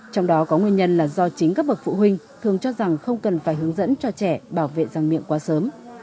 trong đó có nguyên nhân là do chính các bậc phụ huynh thường cho rằng không cần phải hướng dẫn cho trẻ bảo vệ rằng miệng quá sớm